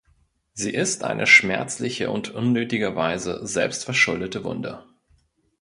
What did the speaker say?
Sie ist eine schmerzliche und unnötigerweise selbstverschuldete Wunde.